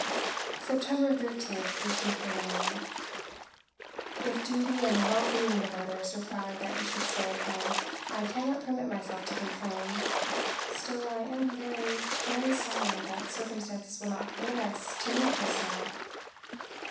"Sept. 13th, 1849. "If duty and the well being of others require that you should stay at home, I cannot permit myself to complain, still, I am very, VERY sorry that circumstances will not permit us to meet just now.